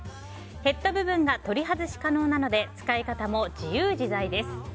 ヘッド部分が取り外し可能なので使い方も自由自在です。